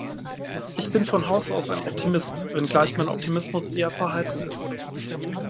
Ich bin von Haus aus ein Optimist, wenngleich mein Optimismus eher verhalten ist.